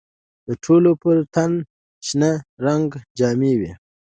د ټولو پر تن د شنه رنګ جامې وې.